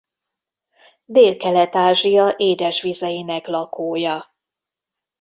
Délkelet-Ázsia édesvizeinek lakója.